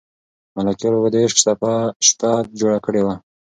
ملکیار بابا د عشق شپه جوړه کړې ده.